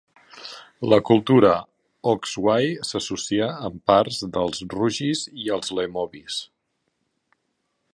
La cultura oksywie s'associa amb parts dels rugis i els lemovis.